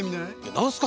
何すか？